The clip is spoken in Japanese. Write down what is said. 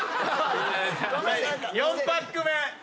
４パック目。